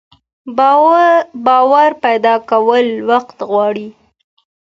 باور پيدا کول وخت غواړي.